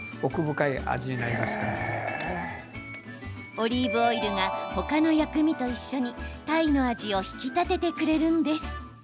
オリーブオイルが他の薬味と一緒に鯛の味を引き立ててくれるんです。